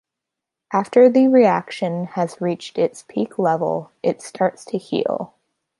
After the reaction has reached its peak level, it starts to heal.